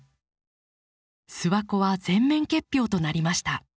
諏訪湖は全面結氷となりました。